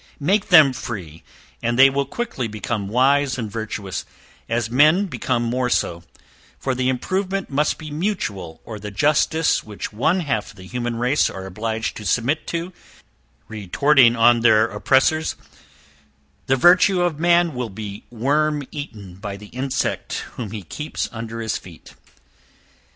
Make them free, and they will quickly become wise and virtuous, as men become more so; for the improvement must be mutual, or the justice which one half of the human race are obliged to submit to, retorting on their oppressors, the virtue of man will be worm eaten by the insect whom he keeps under his feet.